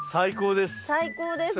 最高です。